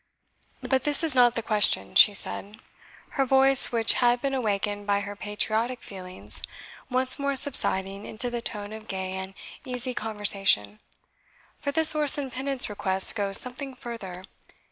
But this is not the question," she said, her voice, which had been awakened by her patriotic feelings, once more subsiding into the tone of gay and easy conversation; "for this Orson Pinnit's request goes something further.